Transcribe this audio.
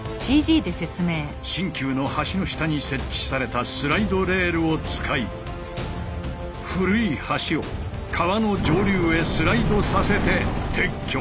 新旧の橋の下に設置されたスライドレールを使い古い橋を川の上流へスライドさせて撤去。